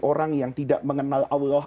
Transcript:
orang yang tidak mengenal allah